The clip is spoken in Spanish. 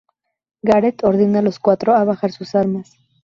Gareth ordena a los cuatro a bajar sus armas.